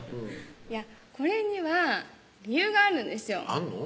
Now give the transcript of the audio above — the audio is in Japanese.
いやこれには理由があるんですよあんの？